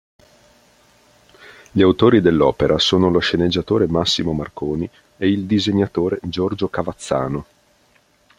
Gli autori dell'opera sono lo sceneggiatore Massimo Marconi e il disegnatore Giorgio Cavazzano.